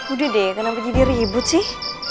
udah deh kenapa jadi ribut sih